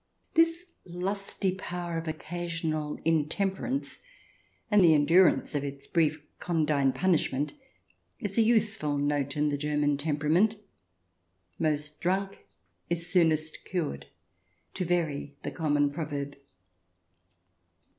This lusty power of occasional intemperance and the endurance of its brief condign punishment is a useful note in the German temperament. " Most drunk is soonest cured," to vary the common proverb.